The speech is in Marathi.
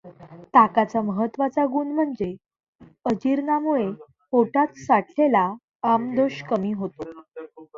ताकाचा महत्त्वाचा गुण म्हणजे अजीर्णामुळे पोटात साठलेला आमदोष कमी होतो.